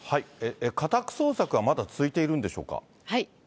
家宅捜索はまだ続いているんでしょうか。